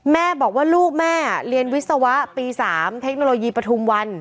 แม่บอกว่าลูกแม่เรียนวิศวะปี๓เทคโนโลยีปฐุมวัน